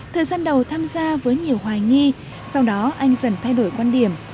thời gian đầu tham gia với nhiều hoài nghi sau đó anh dần thay đổi quan điểm